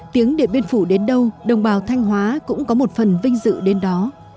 tiếng điện biên phủ đến đâu đồng bào thanh hóa cũng có một phần vinh dự đến đó